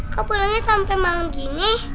kok pulangnya sampai malem gini